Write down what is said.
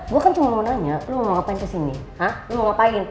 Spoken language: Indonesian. gue kan cuma mau nanya lo mau ngapain kesini